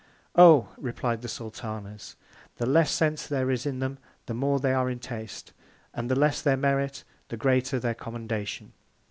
Oh! replied the Sultanas, the less Sense there is in them, the more they are in Taste; and the less their Merit, the greater their Commendation.